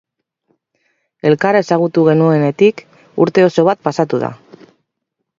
Elkar ezagutu genuenetik urte oso bat pasatu da.